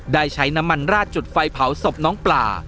ได้ใช้น้ำมันราดจุดไฟเผาศพน้องปลา